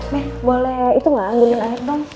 men boleh itu nggak anggulin air dong